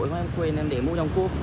mũ vội quá em quên em để mũ trong cung